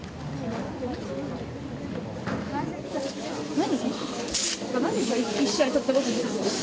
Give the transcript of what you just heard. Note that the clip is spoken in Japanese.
何？